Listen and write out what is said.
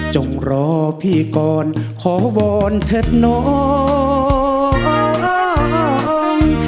จงรอพี่กลขอโวนเถิดหน่วง